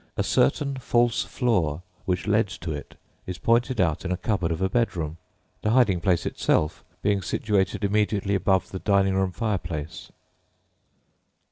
A certain "false floor" which led to it is pointed out in a cupboard of a bedroom, the hiding place itself being situated immediately above the dining room fireplace.